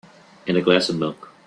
And a glass of milk.